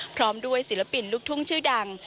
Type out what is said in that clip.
พร้อมด้วยศิลปินลูกทุ่งชื่อดัง